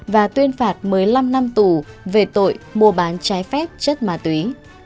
và tuyên phạt một mươi năm năm tù về tội mua bán trái phép chất ma túy